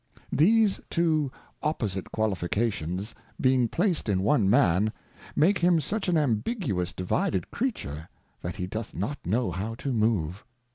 These two opposite Qualifications, being placed in one Man, make him such an ambiguous divided Creature, that he doth not know how to move.